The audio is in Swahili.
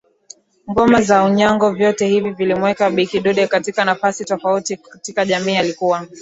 ngoma za unyago vyote hivi vilimuweka Bi Kidude katika nafasi tofauti katika jamii Alikuwa